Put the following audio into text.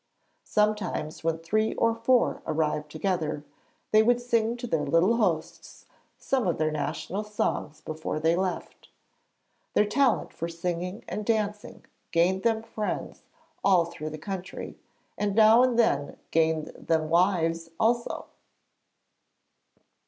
Sometimes, when three or four arrived together, they would sing to their little hosts some of their national songs before they left. Their talent for singing and dancing gained them friends all through the country, and now and then gained them wives also.